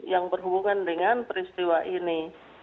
yang berhubungan dengan peristiwa ini